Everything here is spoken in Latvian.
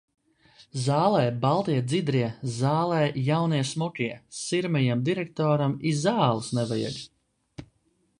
Zālē baltie dzidrie, zālē jaunie smukie, sirmajam direktoram i zāles nevajag.